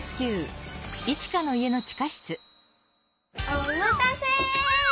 おまたせ！